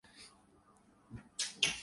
petroleum مصنوعات کی قیمتوں میں اضافے کا امکان